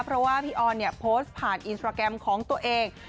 เพราะว่าพี่ออนเนี่ยโพสต์ผ่านอินสตราแกรมของตัวเอง